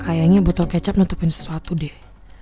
kayaknya butuh kecap nutupin sesuatu deh